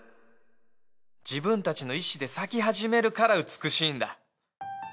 自分たちの意思で咲き始めるから美しいんだ。